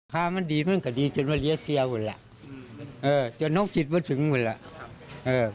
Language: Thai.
ข้ามันดีมันก็ดีจนว่าเรียกเสียหมดละเออจนนกจิตว่าถึงหมดละเออ